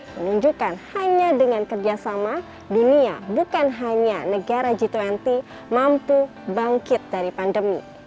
menunjukkan hanya dengan kerjasama dunia bukan hanya negara g dua puluh mampu bangkit dari pandemi